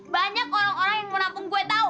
banyak orang orang yang mau nampung gue tau